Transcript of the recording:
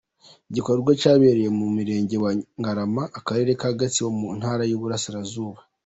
Igikorwa cyabereye mu murenge wa Ngarama ,Akarere ka Gatsibo ,mu Ntara y’i Burasirazuba .